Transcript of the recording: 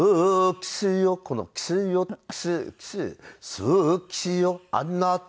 「好きよあなた」